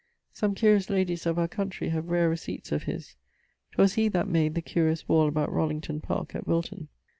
Some curious ladies of our country have rare receipts of his. 'Twas he that made the curious wall about Rollington parke at Wilton.